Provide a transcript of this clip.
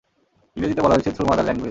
ইংরেজিতে বলা হয়েছে থ্রু মাদার ল্যাঙ্গুয়েজ।